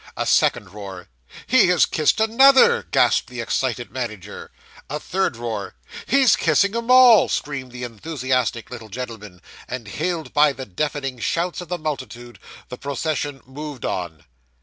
A second roar. 'He has kissed another,' gasped the excited manager. A third roar. 'He's kissing 'em all!' screamed the enthusiastic little gentleman, and hailed by the deafening shouts of the multitude, the procession moved on.